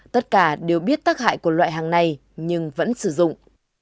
tất cả đều biết tác hại của loại hàng này nhưng vẫn sử dụng